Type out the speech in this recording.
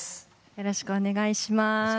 よろしくお願いします。